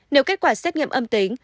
nếu kết quả xét nghiệm âm tính